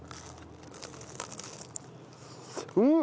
うん！